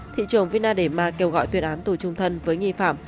thị trường vina de mar kêu gọi tuyệt án tù trung thân với nghi phạm